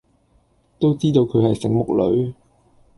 都知道佢係醒目女